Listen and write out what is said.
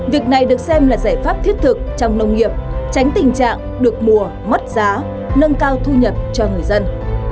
việc này được xem là giải pháp thiết thực trong nông nghiệp tránh tình trạng được mùa mất giá nâng cao thu nhập cho người dân